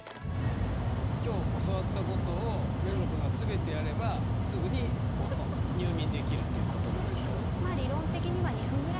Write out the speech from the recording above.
今日教わったことを目黒君が全てやればすぐに入眠できるっていうことなんですかね。